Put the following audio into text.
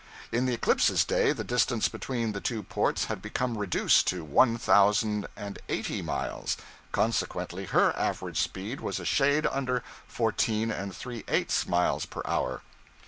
In the 'Eclipse's' day the distance between the two ports had become reduced to one thousand and eighty miles; consequently her average speed was a shade under fourteen and three eighths miles per hour.